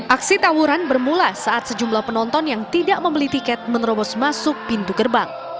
aksi tawuran bermula saat sejumlah penonton yang tidak membeli tiket menerobos masuk pintu gerbang